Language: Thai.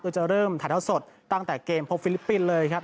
จะเริ่มถ่ายเท้าสดตั้งแต่เกมพบฟิลิปปินส์เลยครับ